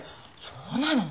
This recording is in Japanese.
そうなの？